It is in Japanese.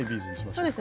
そうです。